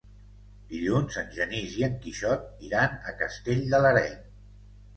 Dilluns en Genís i en Quixot iran a Castell de l'Areny.